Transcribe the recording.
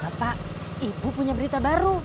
bapak ibu punya berita baru